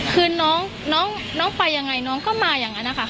คือน้องไปยังไงน้องก็มาอย่างนั้นนะคะ